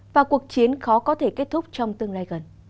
và cuộc chiến khó có thể kết thúc trong tương lai gần